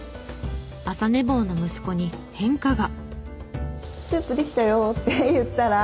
朝寝坊の息子に変化が。